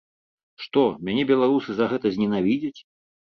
Што, мяне беларусы за гэта зненавідзяць?